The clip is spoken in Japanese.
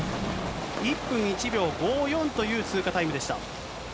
１分１秒５４という通過タイムでした。